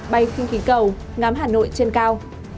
bay khinh khí cầu ngắm hà nội trên cao